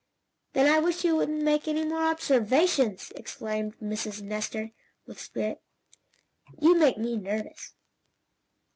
"Then I wish you wouldn't make any more observations!" exclaimed Mrs. Nestor, with spirit. "You make me nervous."